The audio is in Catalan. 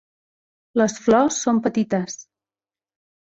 Les flors són petites.